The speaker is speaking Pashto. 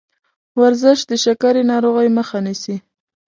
ورزش د شکرې ناروغۍ مخه نیسي.